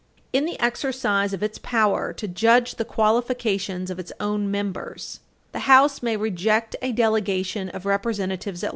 In the exercise of its power to judge the qualifications of its own members, the House may reject a delegation of Representatives at large.